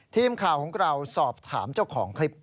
ทีมข่าวของเราสอบถามเจ้าของคลิป